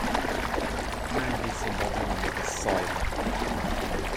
Menj vissza Babilonba, te szajha!